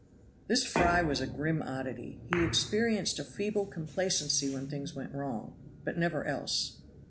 This Fry was a grim oddity; he experienced a feeble complacency when things went wrong but never else.